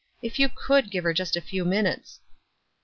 If you could give her just a few minutes."